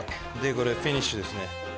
これフィニッシュですね。